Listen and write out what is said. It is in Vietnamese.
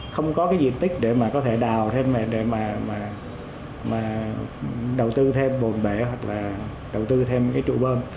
không có cái diện tích để mà có thể đào thêm này để mà đầu tư thêm bồn bệ hoặc là đầu tư thêm cái trụ bơm